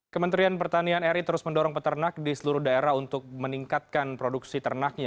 kementerian pertanian ri terus mendorong peternak di seluruh daerah untuk meningkatkan produksi ternaknya